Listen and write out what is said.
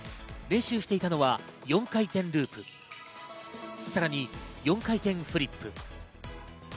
練習していたのは４回転ループ、さらに４回転フリップ。